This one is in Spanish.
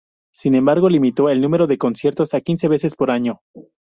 Sin embargo, limitó el número de conciertos a quince veces por año.